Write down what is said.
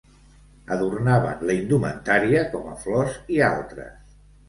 Adornaven la indumentària com a flors i altres.